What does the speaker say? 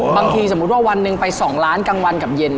บางทีสมมุติว่าวันหนึ่งไปสองร้านในกลางวันกับเย็น